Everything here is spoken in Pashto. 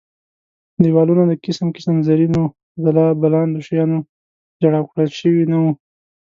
دېوالونه د قسم قسم زرینو ځل بلاندو شیانو جړاو کړل شوي نه وو.